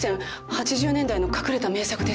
８０年代の隠れた名作です。